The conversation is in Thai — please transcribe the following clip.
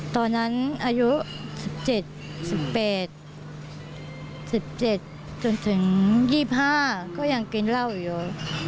ตอนนั้นอายุ๑๗๑๘๑๗จนถึง๒๕ก็ยังกินเหล้าอยู่